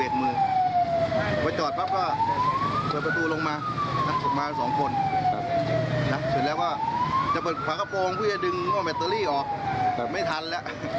ถึงแล้วว่าจะเปิดขวางข้าวโปรงจะดึงแม็ตเตอรี่ออกไม่ทันแล้ว